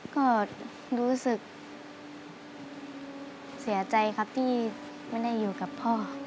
ก็รู้สึกเสียใจครับที่ไม่ได้อยู่กับพ่อ